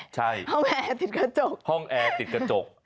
ใช่ห้องแอร์ติดกระจกห้องแอร์ติดกระจก